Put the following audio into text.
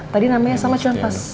tadi namanya sama cuman pas